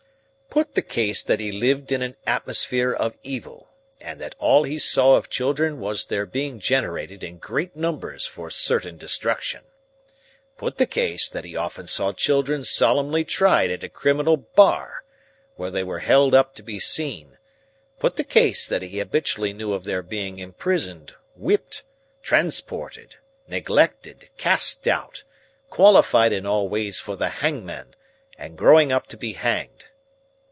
"Put the case that he lived in an atmosphere of evil, and that all he saw of children was their being generated in great numbers for certain destruction. Put the case that he often saw children solemnly tried at a criminal bar, where they were held up to be seen; put the case that he habitually knew of their being imprisoned, whipped, transported, neglected, cast out, qualified in all ways for the hangman, and growing up to be hanged.